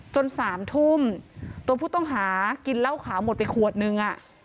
๓ทุ่มตัวผู้ต้องหากินเหล้าขาวหมดไปขวดนึง